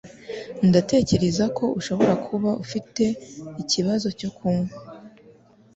Ndatekereza ko ushobora kuba ufite ikibazo cyo kunywa